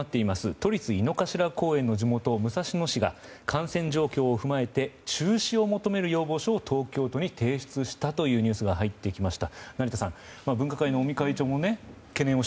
都立井の頭公園の地元武蔵野市が感染状況を踏まえて中止を求める要望書を東京都に提出したというニュースが入ってきました。